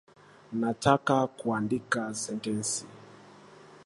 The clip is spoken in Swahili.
Nataka kuandika sentensi